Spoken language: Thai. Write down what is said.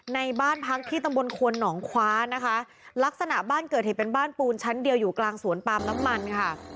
ในบ้านพักที่ตำบลควนหนองคว้านะคะลักษณะบ้านเกิดเหตุเป็นบ้านปูนชั้นเดียวอยู่กลางสวนปาล์มน้ำมันค่ะ